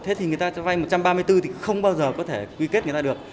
thế thì người ta cho vay một trăm ba mươi bốn thì không bao giờ có thể quy kết người ta được